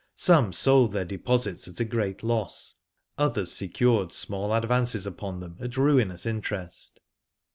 Some sold their deposits at a great loss, others secured small advances upon them at ruinous interest.